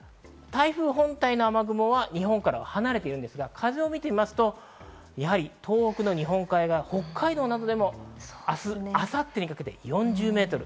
台風本体の雨雲は日本から離れているんですが、風を見てみますと東北の日本海側、北海道などでも明日、明後日にかけて４０メートル。